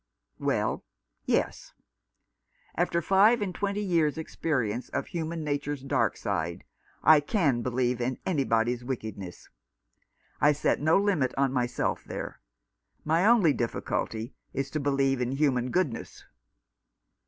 Well, yes ; after five and twenty years' experience of human nature's dark side I can believe in 241 R Rough Justice. anybody's wickedness. I set no limit on myself there. My only difficulty is to believe in human goodness.